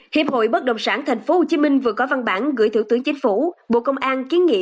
hiệp hội bất đồng sản tp hcm vừa có văn bản gửi thủ tướng chính phủ bộ công an kiến nghị